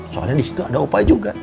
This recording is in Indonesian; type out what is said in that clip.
soalnya di situ ada upaya juga